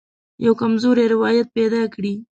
یوه کمزوری روایت پیدا کړي.